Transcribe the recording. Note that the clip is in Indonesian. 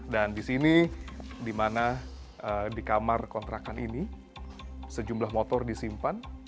dan di sini di mana di kamar kontrakan ini sejumlah motor disimpan